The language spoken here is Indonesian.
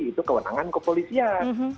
itu kewenangan kepolisian